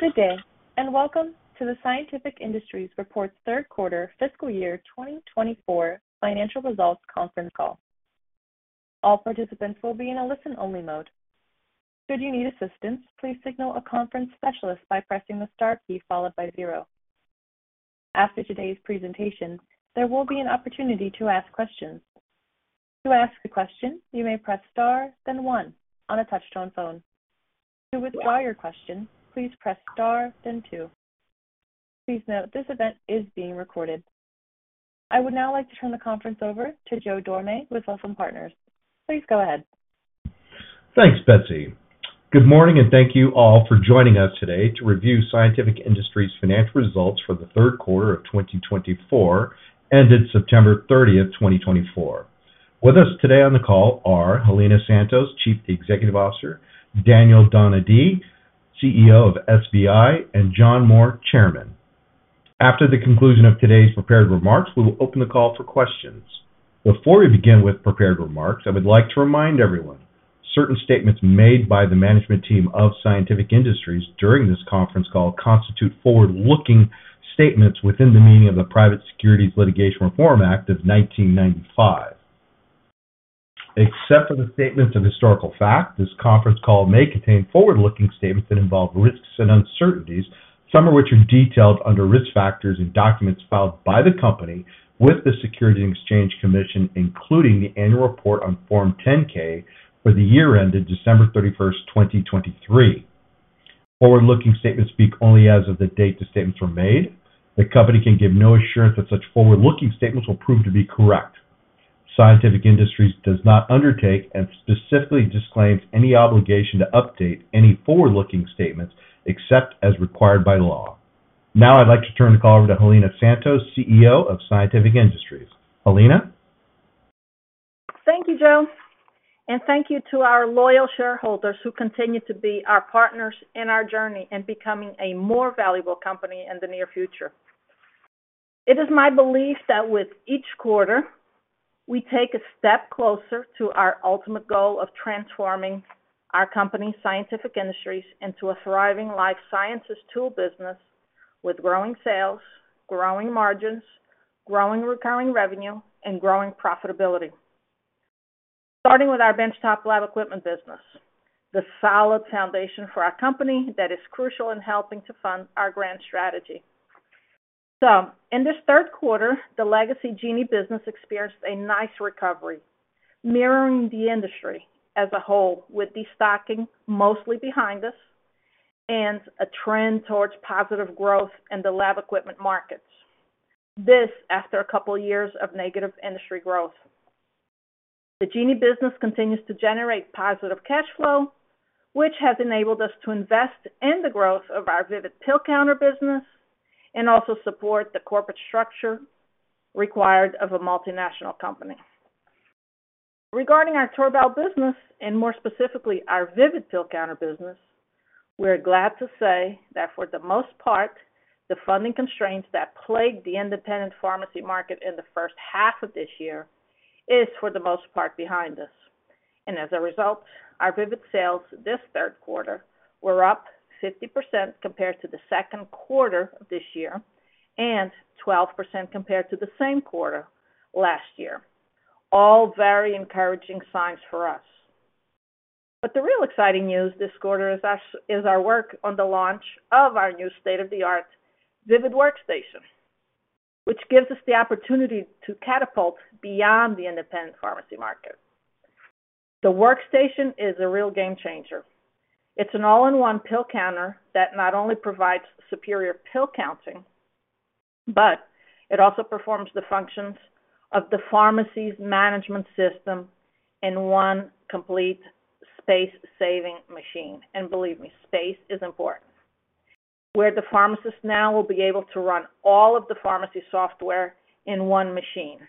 Good day, and welcome to the Scientific Industries' third quarter, fiscal year 2024 financial results conference call. All participants will be in a listen-only mode. Should you need assistance, please signal a conference specialist by pressing the star key followed by zero. After today's presentation, there will be an opportunity to ask questions. To ask a question, you may press star, then one on a touch-tone phone. To withdraw your question, please press star, then two. Please note this event is being recorded. I would now like to turn the conference over to Joe Dorame with Lytham Partners. Please go ahead. Thanks, Betsy. Good morning, and thank you all for joining us today to review Scientific Industries' financial results for the third quarter of 2024 ended September 30th, 2024. With us today on the call are Helena Santos, Chief Executive Officer, Daniel Donadio, CEO of SBI, and John Moore, Chairman. After the conclusion of today's prepared remarks, we will open the call for questions. Before we begin with prepared remarks, I would like to remind everyone certain statements made by the management team of Scientific Industries during this conference call constitute forward-looking statements within the meaning of the Private Securities Litigation Reform Act of 1995. Except for the statements of historical fact, this conference call may contain forward-looking statements that involve risks and uncertainties, some of which are detailed under risk factors in documents filed by the company with the Securities and Exchange Commission, including the annual report on Form 10-K for the year ended December 31st, 2023. Forward-looking statements speak only as of the date the statements were made. The company can give no assurance that such forward-looking statements will prove to be correct. Scientific Industries does not undertake and specifically disclaims any obligation to update any forward-looking statements except as required by law. Now, I'd like to turn the call over to Helena Santos, CEO of Scientific Industries. Helena? Thank you, Joe, and thank you to our loyal shareholders who continue to be our partners in our journey and becoming a more valuable company in the near future. It is my belief that with each quarter, we take a step closer to our ultimate goal of transforming our company, Scientific Industries, into a thriving life sciences tool business with growing sales, growing margins, growing recurring revenue, and growing profitability. Starting with our benchtop lab equipment business, the solid foundation for our company that is crucial in helping to fund our grand strategy. So, in this third quarter, the legacy Genie business experienced a nice recovery, mirroring the industry as a whole with the stocking mostly behind us and a trend towards positive growth in the lab equipment markets. This after a couple of years of negative industry growth. The Genie business continues to generate positive cash flow, which has enabled us to invest in the growth of our Vivid Pill Counter business and also support the corporate structure required of a multinational company. Regarding our Torbal business, and more specifically our Vivid Pill Counter business, we're glad to say that for the most part, the funding constraints that plagued the independent pharmacy market in the first half of this year are for the most part behind us. And as a result, our Vivid sales this third quarter were up 50% compared to the second quarter of this year and 12% compared to the same quarter last year. All very encouraging signs for us. But the real exciting news this quarter is our work on the launch of our new state-of-the-art Vivid Workstation, which gives us the opportunity to catapult beyond the independent pharmacy market. The Workstation is a real game changer. It's an all-in-one pill counter that not only provides superior pill counting, but it also performs the functions of the pharmacy's management system in one complete space-saving machine, and believe me, space is important, where the pharmacist now will be able to run all of the pharmacy software in one machine.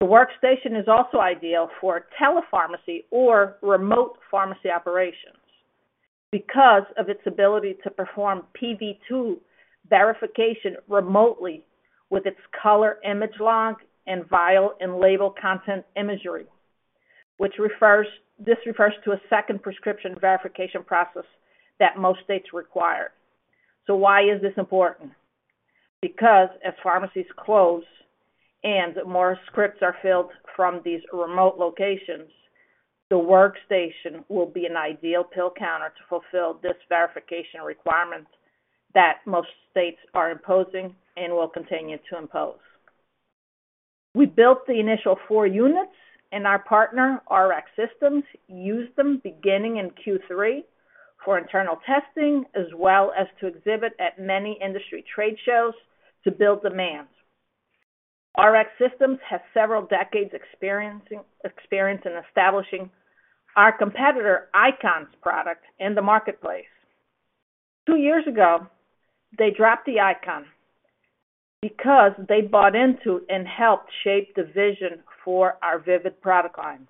The Workstation is also ideal for telepharmacy or remote pharmacy operations because of its ability to perform PV2 verification remotely with its color image log and vial and label content imagery, which refers to a second prescription verification process that most states require, so why is this important? Because as pharmacies close and more scripts are filled from these remote locations, the Workstation will be an ideal pill counter to fulfill this verification requirement that most states are imposing and will continue to impose. We built the initial four units, and our partner, Rx Systems, used them beginning in Q3 for internal testing as well as to exhibit at many industry trade shows to build demand. Rx Systems has several decades' experience in establishing our competitor Eyecon's product in the marketplace. Two years ago, they dropped the Eyecon because they bought into and helped shape the vision for our Vivid product line.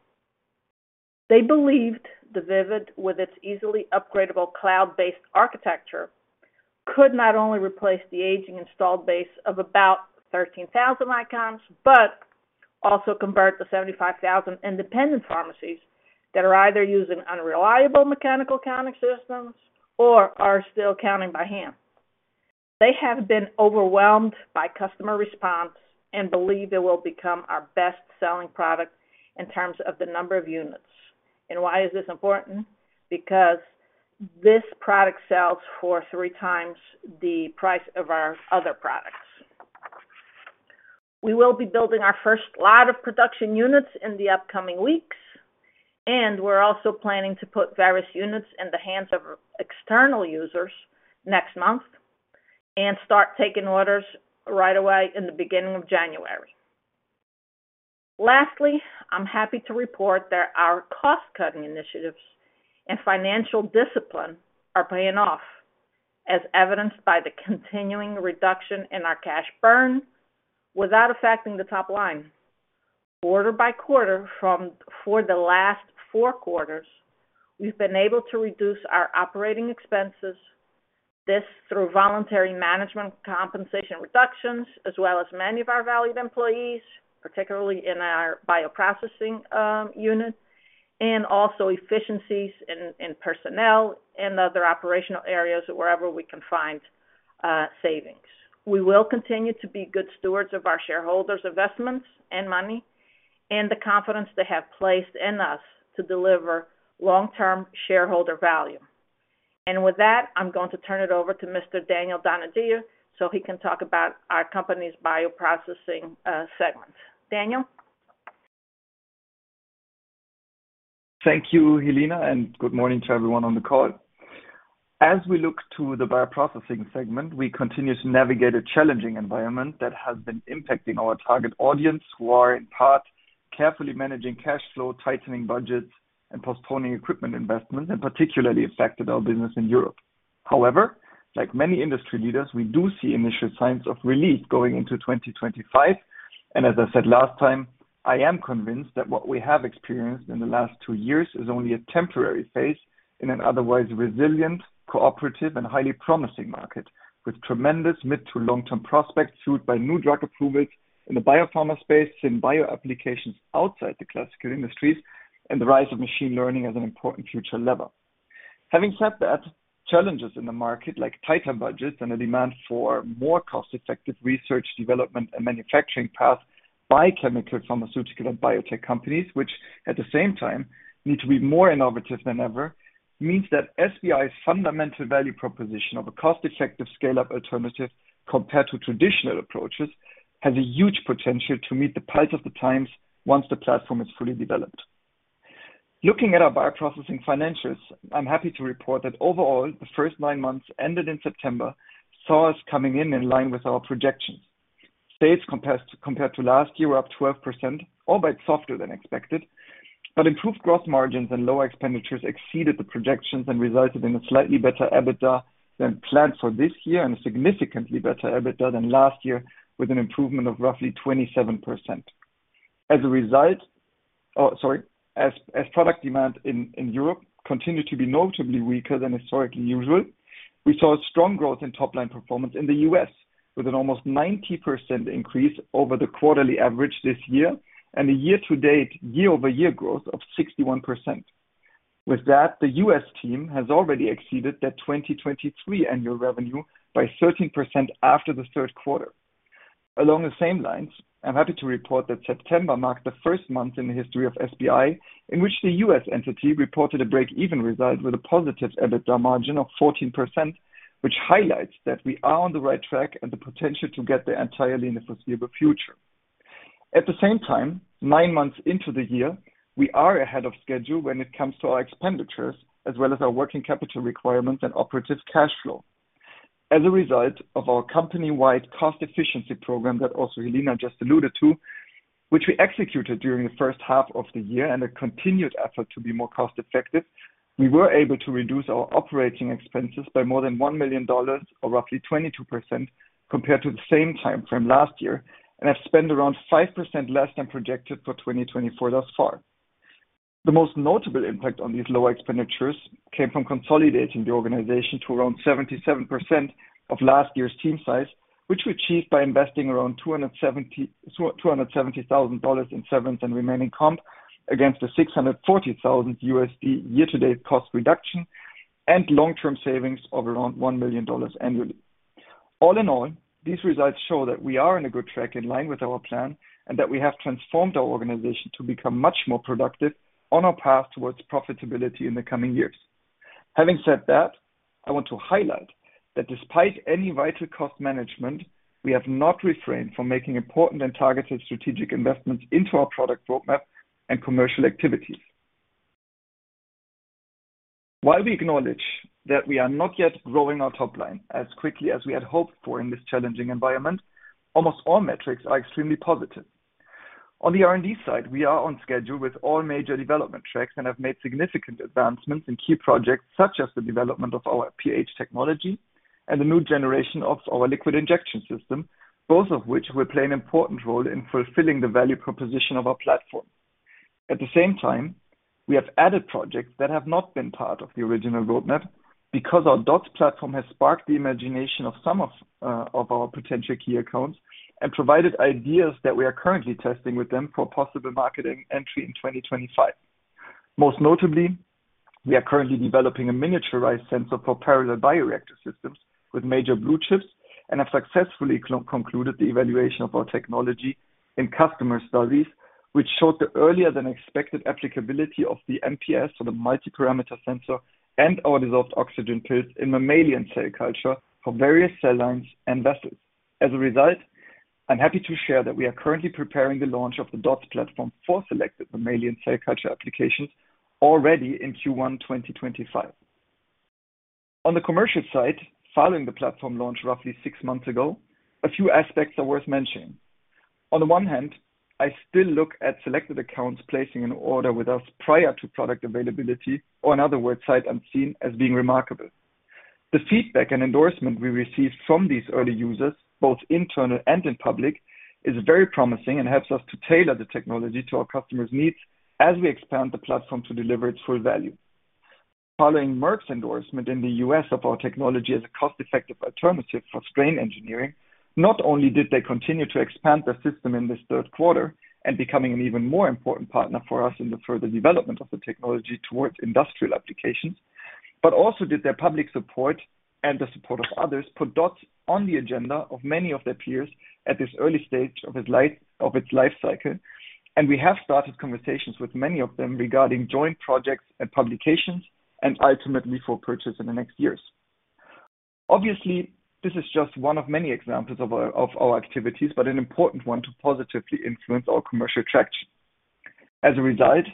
They believed the Vivid, with its easily upgradable cloud-based architecture, could not only replace the aging installed base of about 13,000 Eyecons, but also convert the 75,000 independent pharmacies that are either using unreliable mechanical counting systems or are still counting by hand. They have been overwhelmed by customer response and believe it will become our best-selling product in terms of the number of units. And why is this important? Because this product sells for three times the price of our other products. We will be building our first lot of production units in the upcoming weeks, and we're also planning to put various units in the hands of external users next month and start taking orders right away in the beginning of January. Lastly, I'm happy to report that our cost-cutting initiatives and financial discipline are paying off, as evidenced by the continuing reduction in our cash burn without affecting the top line. Quarter-by-quarter for the last four quarters, we've been able to reduce our operating expenses, this through voluntary management compensation reductions, as well as many of our valued employees, particularly in our bioprocessing unit, and also efficiencies in personnel and other operational areas wherever we can find savings. We will continue to be good stewards of our shareholders' investments and money and the confidence they have placed in us to deliver long-term shareholder value. With that, I'm going to turn it over to Mr. Daniel Donadio so he can talk about our company's bioprocessing segment. Daniel? Thank you, Helena, and good morning to everyone on the call. As we look to the bioprocessing segment, we continue to navigate a challenging environment that has been impacting our target audience who are in part carefully managing cash flow, tightening budgets, and postponing equipment investment, and particularly affected our business in Europe. However, like many industry leaders, we do see initial signs of relief going into 2025, and as I said last time, I am convinced that what we have experienced in the last two years is only a temporary phase in an otherwise resilient, cooperative, and highly promising market with tremendous mid- to long-term prospects fueled by new drug approvals in the biopharma space, in bioapplications outside the classical industries, and the rise of machine learning as an important future lever. Having said that, challenges in the market like tighter budgets and a demand for more cost-effective research, development, and manufacturing paths by chemical, pharmaceutical, and biotech companies, which at the same time need to be more innovative than ever, means that SBI's fundamental value proposition of a cost-effective scale-up alternative compared to traditional approaches has a huge potential to meet the pulse of the times once the platform is fully developed. Looking at our bioprocessing financials, I'm happy to report that overall, the first nine months ended in September saw us coming in in line with our projections. Sales, compared to last year, were up 12%, albeit somewhat lower than expected, but improved gross margins and lower expenditures exceeded the projections and resulted in a slightly better EBITDA than planned for this year and a significantly better EBITDA than last year, with an improvement of roughly 27%. As product demand in Europe continued to be notably weaker than historically usual, we saw strong growth in top-line performance in the U.S. with an almost 90% increase over the quarterly average this year and a year-to-date, year-over-year growth of 61%. With that, the U.S. team has already exceeded their 2023 annual revenue by 13% after the third quarter. Along the same lines, I'm happy to report that September marked the first month in the history of SBI in which the U.S. entity reported a break-even result with a positive EBITDA margin of 14%, which highlights that we are on the right track and the potential to get there entirely in the foreseeable future. At the same time, nine months into the year, we are ahead of schedule when it comes to our expenditures as well as our working capital requirements and operative cash flow. As a result of our company-wide cost-efficiency program that also Helena just alluded to, which we executed during the first half of the year and a continued effort to be more cost-effective, we were able to reduce our operating expenses by more than $1 million, or roughly 22%, compared to the same timeframe last year and have spent around 5% less than projected for 2024 thus far. The most notable impact on these lower expenditures came from consolidating the organization to around 77% of last year's team size, which we achieved by investing around $270,000 in severance and remaining comp against the $640,000 year-to-date cost reduction and long-term savings of around $1 million annually. All in all, these results show that we are on a good track in line with our plan and that we have transformed our organization to become much more productive on our path towards profitability in the coming years. Having said that, I want to highlight that despite any vital cost management, we have not refrained from making important and targeted strategic investments into our product roadmap and commercial activities. While we acknowledge that we are not yet growing our top line as quickly as we had hoped for in this challenging environment, almost all metrics are extremely positive. On the R&D side, we are on schedule with all major development tracks and have made significant advancements in key projects such as the development of our pH technology and the new generation of our liquid injection system, both of which will play an important role in fulfilling the value proposition of our platform. At the same time, we have added projects that have not been part of the original roadmap because our DOTS platform has sparked the imagination of some of our potential key accounts and provided ideas that we are currently testing with them for possible marketing entry in 2025. Most notably, we are currently developing a miniaturized sensor for parallel bioreactor systems with major blue chips and have successfully concluded the evaluation of our technology in customer studies, which showed the earlier-than-expected applicability of the MPS for the multiparameter sensor and our dissolved oxygen pills in mammalian cell culture for various cell lines and vessels. As a result, I'm happy to share that we are currently preparing the launch of the DOTS platform for selected mammalian cell culture applications already in Q1 2025. On the commercial side, following the platform launch roughly six months ago, a few aspects are worth mentioning. On the one hand, I still look at selected accounts placing an order with us prior to product availability, or in other words, sight unseen, as being remarkable. The feedback and endorsement we received from these early users, both internal and in public, is very promising and helps us to tailor the technology to our customers' needs as we expand the platform to deliver its full value. Following Merck's endorsement in the U.S. of our technology as a cost-effective alternative for strain engineering, not only did they continue to expand the system in this third quarter and becoming an even more important partner for us in the further development of the technology towards industrial applications, but also did their public support and the support of others put DOTS on the agenda of many of their peers at this early stage of its life cycle, and we have started conversations with many of them regarding joint projects and publications and ultimately for purchase in the next years. Obviously, this is just one of many examples of our activities, but an important one to positively influence our commercial traction. As a result,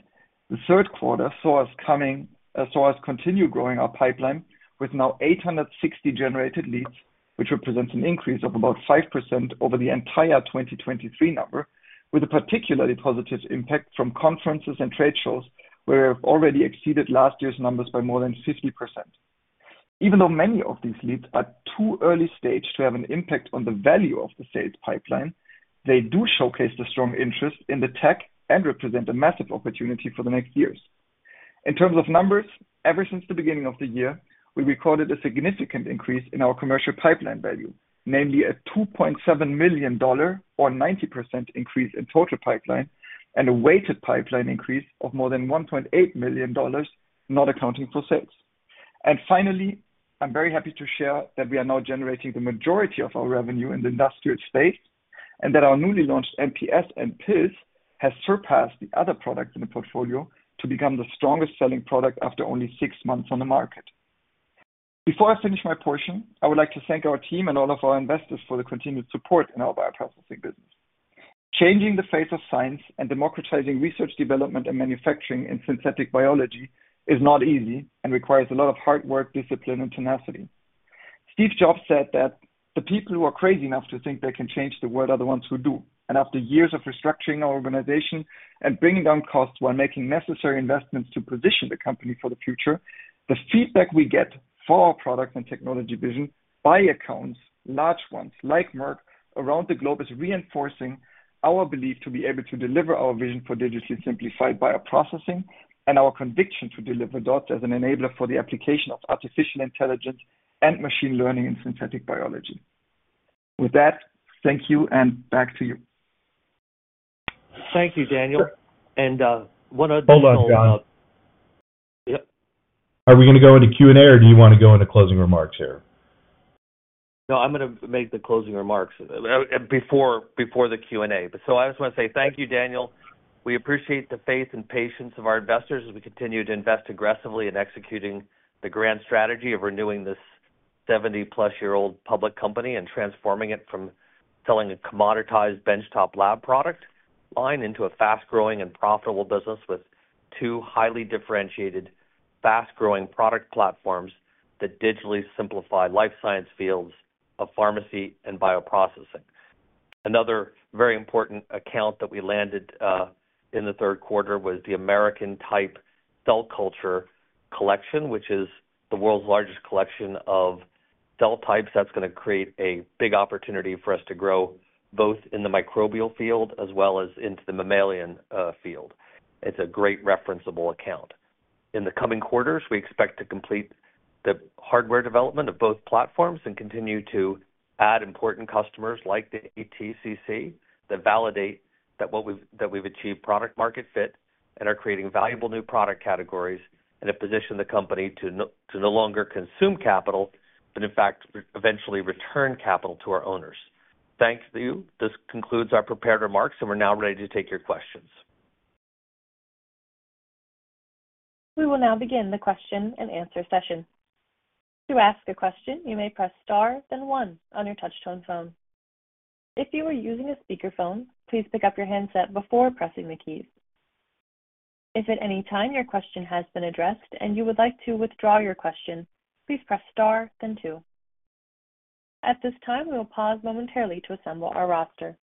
the third quarter saw us continue growing our pipeline with now 860 generated leads, which represents an increase of about 5% over the entire 2023 number, with a particularly positive impact from conferences and trade shows where we have already exceeded last year's numbers by more than 50%. Even though many of these leads are too early stage to have an impact on the value of the sales pipeline, they do showcase the strong interest in the tech and represent a massive opportunity for the next years. In terms of numbers, ever since the beginning of the year, we recorded a significant increase in our commercial pipeline value, namely a $2.7 million, or 90% increase in total pipeline, and a weighted pipeline increase of more than $1.8 million, not accounting for sales. And finally, I'm very happy to share that we are now generating the majority of our revenue in the industrial space and that our newly launched MPS and pills have surpassed the other products in the portfolio to become the strongest selling product after only six months on the market. Before I finish my portion, I would like to thank our team and all of our investors for the continued support in our bioprocessing business. Changing the face of science and democratizing research, development, and manufacturing in synthetic biology is not easy and requires a lot of hard work, discipline, and tenacity. Steve Jobs said that the people who are crazy enough to think they can change the world are the ones who do. And after years of restructuring our organization and bringing down costs while making necessary investments to position the company for the future, the feedback we get for our product and technology vision by accounts, large ones like Merck around the globe, is reinforcing our belief to be able to deliver our vision for digitally simplified bioprocessing and our conviction to deliver DOTS as an enabler for the application of artificial intelligence and machine learning in synthetic biology. With that, thank you and back to you. Thank you, Daniel, and one other thing. Hold on, John. Yep. Are we going to go into Q&A or do you want to go into closing remarks here? No, I'm going to make the closing remarks before the Q&A. So I just want to say thank you, Daniel. We appreciate the faith and patience of our investors as we continue to invest aggressively in executing the grand strategy of renewing this 70-plus-year-old public company and transforming it from selling a commoditized benchtop lab product line into a fast-growing and profitable business with two highly differentiated, fast-growing product platforms that digitally simplify life science fields of pharmacy and bioprocessing. Another very important account that we landed in the third quarter was the American Type Culture Collection, which is the world's largest collection of cell types that's going to create a big opportunity for us to grow both in the microbial field as well as into the mammalian field. It's a great referenceable account. In the coming quarters, we expect to complete the hardware development of both platforms and continue to add important customers like the ATCC that validate that we've achieved product-market fit and are creating valuable new product categories and have positioned the company to no longer consume capital, but in fact, eventually return capital to our owners. Thank you. This concludes our prepared remarks, and we're now ready to take your questions. We will now begin the question-and-answer session. To ask a question, you may press star then one on your touch-tone phone. If you are using a speakerphone, please pick up your handset before pressing the keys. If at any time your question has been addressed and you would like to withdraw your question, please press star then two. At this time, we will pause momentarily to assemble our roster.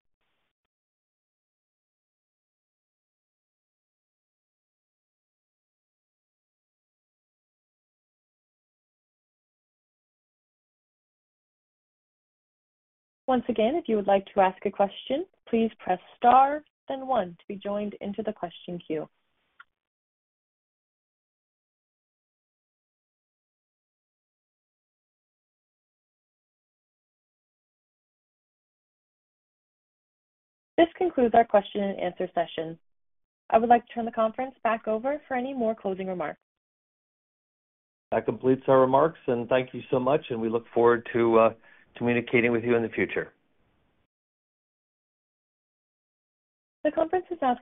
Once again, if you would like to ask a question, please press star then one to be joined into the question queue. This concludes our question-and-answer session. I would like to turn the conference back over for any more closing remarks. That completes our remarks, and thank you so much, and we look forward to communicating with you in the future. The conference is now.